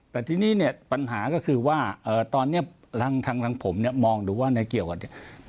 แต่ทีนี้เนี่ยปัญหาก็คือว่าตอนนี้ทางผมเนี่ยมองดูว่าในเกี่ยวกับเนี่ย